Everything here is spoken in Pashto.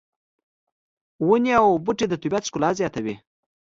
ونې او بوټي د طبیعت ښکلا زیاتوي